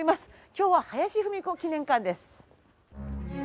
今日は林芙美子記念館です。